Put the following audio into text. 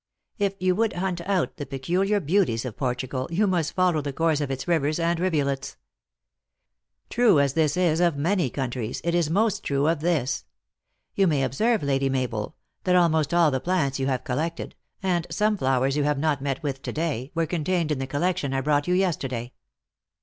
If you would hunt out the peculiar beauties of Portugal, you must follow the course of its rivers and rivulets. True as this is of many countries, it is most true of this. You may observe, Lady Mabel, that almost all the plants you have collected, and some flowers you have not met with to day, were contained in the collection I brought you yesterday."